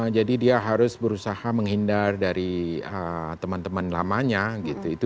jadi dia harus berusaha menghindar dari teman teman lamanya gitu